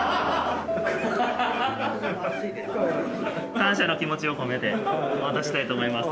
感謝の気持ちを込めて渡したいと思います。